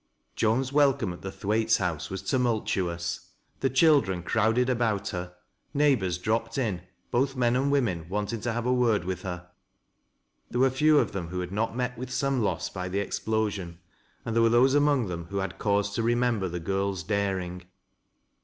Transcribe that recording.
Joan's welcome at the Thwaites' house was tumultuoua fhe children crowded about her, neighbors dropped in, both men and women wanting to have a word with her. There were few of them who had not met with some lose by the explosion, and there were those among them who had cause to remember the girl's daring.